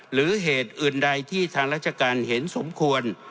หรือเหตุอื่นใดที่ทางราชการเห็นสมควร